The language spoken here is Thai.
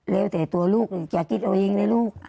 แล้วแต่ตัวลูกอย่าคิดเอาเองนะลูก